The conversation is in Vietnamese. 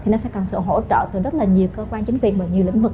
nó sẽ cần sự hỗ trợ từ rất là nhiều cơ quan chính quyền và nhiều lĩnh vực